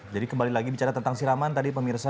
jadi kembali lagi bicara tentang siraman tadi pemirsa